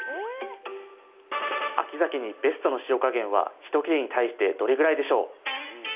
秋ザケにベストの塩加減はひと切れに対してどれぐらいでしょう？